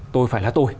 tôi phải là tôi